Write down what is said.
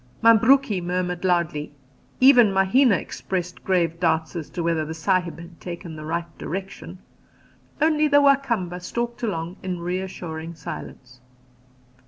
Mabruki murmured loudly; even Mahina expressed grave doubts as to whether the "Sahib" had taken the right direction; only the Wa Kamba stalked along in reassuring silence.